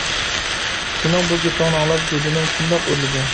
سېنىڭ بۇ گېپىڭنى ئاڭلاپ جۇدۇنۇم شۇنداق ئۆرلىدى.